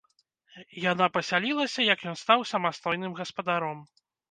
Яна пасялілася, як ён стаў самастойным гаспадаром.